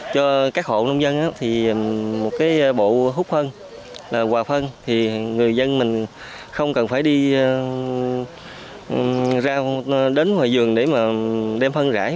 cho các hộ nông dân thì một cái bộ hút phân là hòa phân thì người dân mình không cần phải đi ra đến ngoài giường để mà đem phân rải